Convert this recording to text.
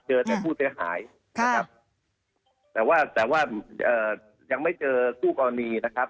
เจอแต่ผู้เสียหายนะครับแต่ว่าแต่ว่าเอ่อยังไม่เจอคู่กรณีนะครับ